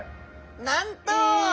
なんと！